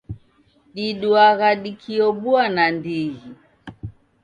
Diduagha dikiobua nandighi.